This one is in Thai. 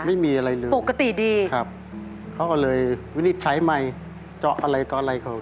ไม่มีอะไรเลยนะครับครับเขาก็เลยวินิษฐ์ใช้ใหม่เจาะอะไรก็อะไรครับ